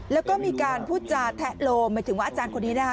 แล้วก็มีการพูดจาแทะโลมหมายถึงว่าอาจารย์คนนี้นะคะ